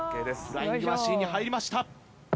フライングマシンに入りました。